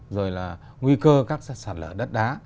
rồi là nguy cơ các sạt lở đất đá